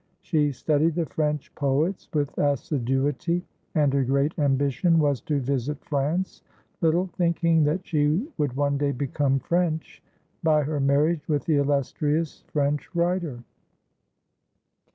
She studied the French poets with assiduity, and her great ambition was to visit France, little thinking that she would one day become French by her marriage with the illustrious French writer.